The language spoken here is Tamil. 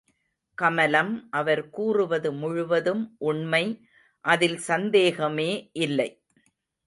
கமலம் அவர் கூறுவது முழுவதும் உண்மை அதில் சந்தேகமே இல்லை.